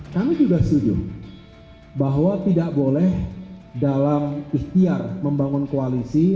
kami juga setuju bahwa tidak boleh dalam ikhtiar membangun koalisi